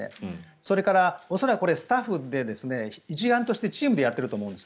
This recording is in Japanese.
それから恐らくこれはスタッフで一丸としてチームでやっていると思うんです。